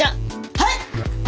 はい！